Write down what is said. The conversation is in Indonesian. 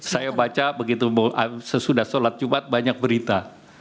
saya baca begitu sesudah sholat jumat banyak berita